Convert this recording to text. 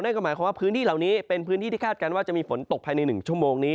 นั่นก็หมายความว่าพื้นที่เหล่านี้เป็นพื้นที่ที่คาดการณ์ว่าจะมีฝนตกภายใน๑ชั่วโมงนี้